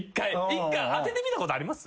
一回あててみたことあります？